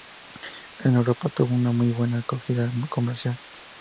En Europa tuvo una muy buena acogida comercial.